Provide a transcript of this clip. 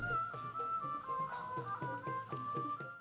bagaimana cara menjaga budaya yang telah ada sejak ratusan tahun lalu ini